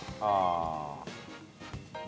ああ。